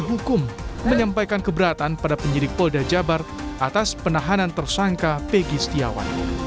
hukum menyampaikan keberatan pada penyidik polda jabar atas penahanan tersangka pegi setiawan